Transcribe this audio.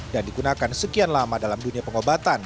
dan digunakan sekian lama dalam dunia pengobatan